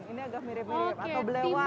ini agak mirip mirip atau belewat